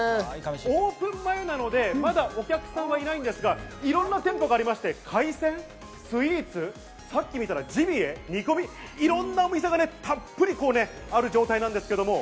オープン前なのでまだお客さんはいないんですが、いろんな店舗がありまして、海鮮、スイーツ、ジビエ、煮込み、いろんなお店がたっぷりある状態なんです。